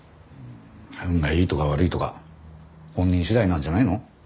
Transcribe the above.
運がいいとか悪いとか本人次第なんじゃないの？